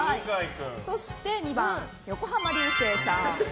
そして、２番は横浜流星さん。